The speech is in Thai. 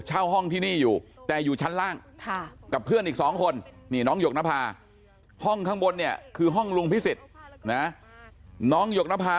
เช่าห้องที่นี่อยู่แต่อยู่ชั้นล่างค่ะ